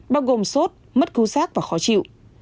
bao gồm sốt mất cứu sát và khó chịu